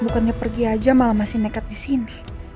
bukannya pergi aja malah masih nekat di sini